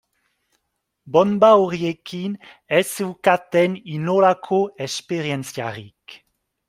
Bonba horiekin ez zeukaten inolako esperientziarik.